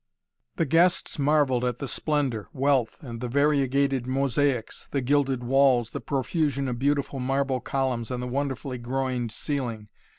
The guests marvelled at the splendor, wealth and the variegated mosaics, the gilded walls, the profusion of beautiful marble columns and the wonderfully groined ceiling.